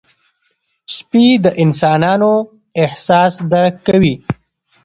سپي د انسانانو احساس درک کوي.